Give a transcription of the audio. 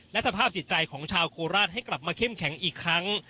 และสภาพจิตใจของชาวโคราชให้กลับมาเข้มแข็งอีกครั้ง